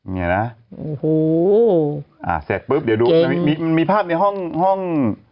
เนี่ยนะโอ้โหอ่าเสร็จปุ๊บเดี๋ยวดูมันมีภาพในห้องห้อง